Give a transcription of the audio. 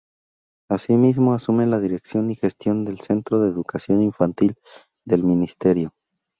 Asimismo, asume la dirección y gestión del Centro de Educación Infantil del Ministerio.